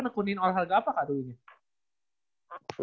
nekunin olahraga apa kak dulunya